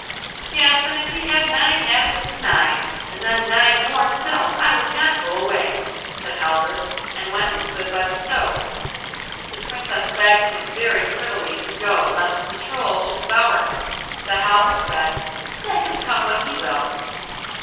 'Yes, and if he had nine added to the nine, and then nine more still, I would not go away,' said Halvor, and went and stood by the stove. The Princess begged him very prettily to go lest the Troll should devour him; but Halvor said, 'Let him come when he will.